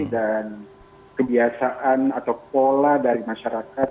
dan kebiasaan atau pola dari masyarakat